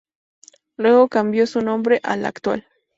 Luego cambió su nombre al actual.